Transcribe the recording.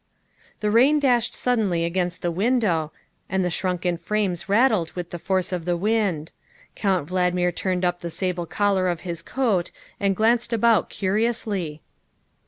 The rain dashed suddenly against the window and the shrunken frames rattled with the force of the wind. Count Valdmir turned up the sable collar of his coat and glanced about curiously.